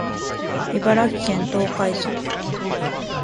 茨城県東海村